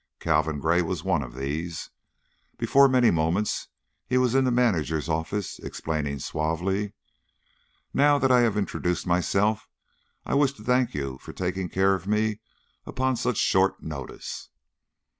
Calvin Gray was one of these. Before many moments, he was in the manager's office, explaining, suavely, "Now that I have introduced myself, I wish to thank you for taking care of me upon such short notice."